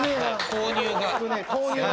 購入がね。